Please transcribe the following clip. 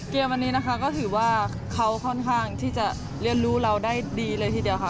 วันนี้นะคะก็ถือว่าเขาค่อนข้างที่จะเรียนรู้เราได้ดีเลยทีเดียวค่ะ